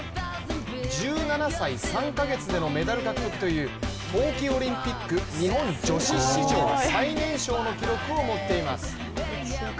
１７歳３か月でのメダル獲得という冬季オリンピック日本女子史上最年少の記録を持っています。